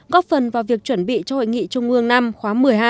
góp phần vào việc chuẩn bị cho hội nghị trung ương năm khóa một mươi hai